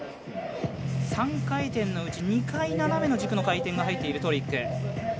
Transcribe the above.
３回転のうち、２回斜めの軸の回転が入っているトリック。